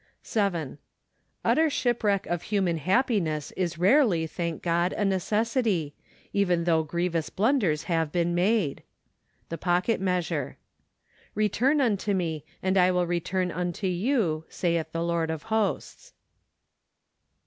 7. Utter shipwreck of human happiness is rarely, thank God, a necessity ; even though grievous blunders have been made. The Pocket Measure. " Beturn unto me, and I will return unto you, saith the Lord of Hosts."